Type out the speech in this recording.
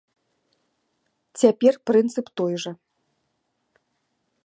Цяпер прынцып той жа.